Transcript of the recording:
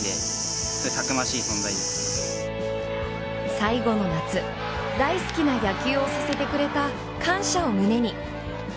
最後の夏、大好きな野球をさせてくれた感謝を胸に。